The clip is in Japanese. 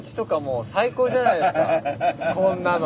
こんなの。